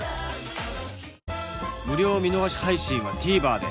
無料見逃し配信は ＴＶｅｒ で